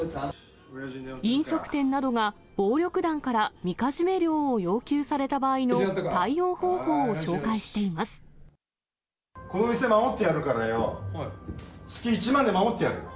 飲食店などが暴力団からみかじめ料を要求された場合の対応方法をこの店守ってやるからよ、月１万？